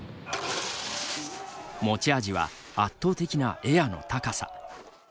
持ち味は、圧倒的なエアの高さ。